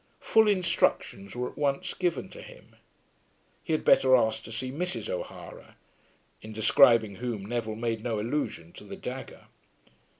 Full instructions were at once given to him. He had better ask to see Mrs. O'Hara, in describing whom Neville made no allusion to the dagger.